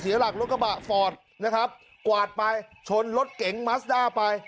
หลักรถกระบะฟอร์ดนะครับกวาดไปชนรถเก๋งมัสด้าไป